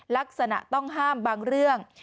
ลักษณะต้องห้ามบางเรื่อง